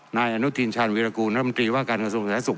นายอนุทินชาญวิรากูน้ำตีว่าการกระสุนแสงสุข